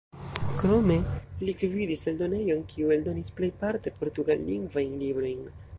Krome li gvidis eldonejon, kiu eldonis plejparte portugallingvajn librojn.